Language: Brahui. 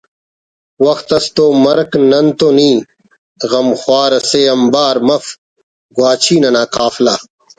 وخت اس تو مرک نن تو نی غم خوار اسے آنبار مف گواچی ننا قافلہ